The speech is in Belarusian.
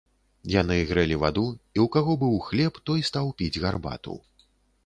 Яны грэлі ваду, і ў каго быў хлеб, той стаў піць гарбату.